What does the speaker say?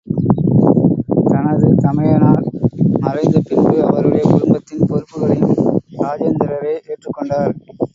தனது தமையனார் மறைந்த பின்பு அவருடைய குடும்பத்தின் பொறுப்புகளையும் இராஜேந்திரரே ஏற்றுக் கொண்டார்.